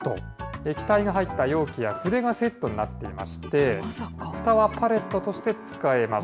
液体が入った容器や筆がセットになっていまして、ふたはパレットとして使えます。